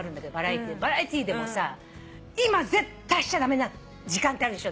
バラエティーでもさ今絶対しちゃ駄目な時間ってあるでしょ。